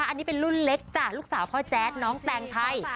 อันนี้เป็นรุ่นเล็กจ้ะลูกสาวพ่อแจ๊ดน้องแตงไทย